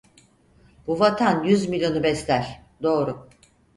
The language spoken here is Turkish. Bu vatan yüz milyonu besler, doğru!